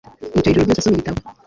Yicaye ijoro ryose asoma igitabo